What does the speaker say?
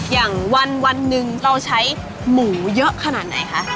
อย่างวันหนึ่งเราใช้หมูเยอะขนาดไหนคะ